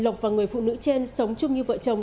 lộc và người phụ nữ trên sống chung như vợ chồng